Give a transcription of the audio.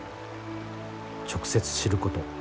直接知ること。